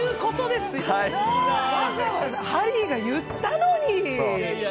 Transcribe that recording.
わざわざハリーが言ったのに！